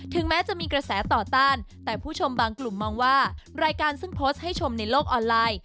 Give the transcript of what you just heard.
แม้จะมีกระแสต่อต้านแต่ผู้ชมบางกลุ่มมองว่ารายการซึ่งโพสต์ให้ชมในโลกออนไลน์